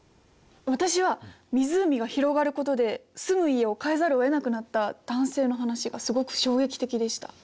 私は湖が広がることで住む家を替えざるをえなくなった男性の話がすごく衝撃的でした。